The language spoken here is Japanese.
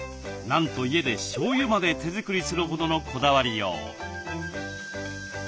なんと家でしょうゆまで手作りするほどのこだわりよう。